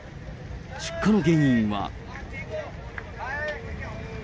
出火の原因は。